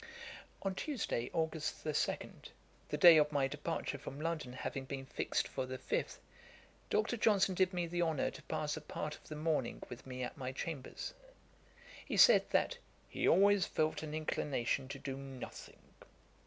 On Tuesday, August 2 (the day of my departure from London having been fixed for the 5th,) Dr. Johnson did me the honour to pass a part of the morning with me at my Chambers. He said, that 'he always felt an inclination to do nothing.'